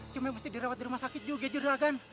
cuma mesti dirawat di rumah sakit juga juragan